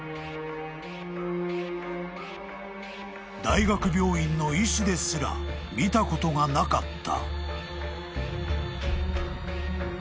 ［大学病院の医師ですら見たことがなかった］